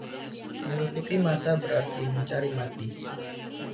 Mengikuti massa berarti mencari mati.